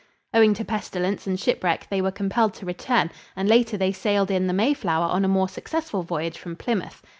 Owing to pestilence and shipwreck, they were compelled to return, and later they sailed in the Mayflower on a more successful voyage from Plymouth.